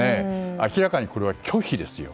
明らかにこれは拒否ですよ。